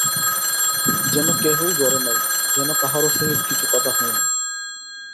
যেন কেহই ঘরে নাই, যেন কাহারও সহিত কিছু কথা হয় নাই।